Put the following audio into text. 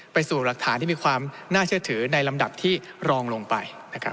ไปสู่หลักฐานที่มีความน่าเชื่อถือในลำดับที่รองลงไปนะครับ